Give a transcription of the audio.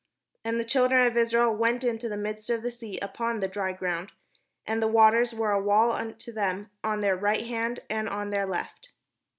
And the children of Israel went into the midst of the sea upon the dry ground; and the waters were a wall imto them on their right hand, and on their left.